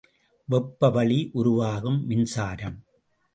வெப்ப வழி உருவாகும் மின்சாரம்.